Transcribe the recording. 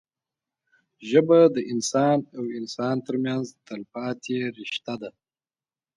ژبه د انسان او انسان ترمنځ تلپاتې رشته ده